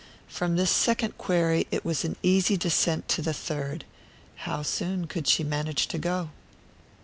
From this second query it was an easy descent to the third: how soon could she manage to go?